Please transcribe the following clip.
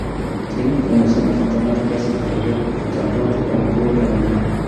Tina comenzó a tomar clases de ballet tan pronto como pudo caminar.